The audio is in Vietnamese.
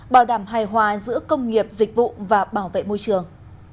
bảo đảm hài hòa giữa công nghiệp dịch vụ và bảo vệ môi trường